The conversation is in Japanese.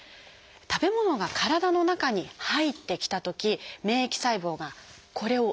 食べ物が体の中に入ってきたとき免疫細胞がこれを異物と捉えます。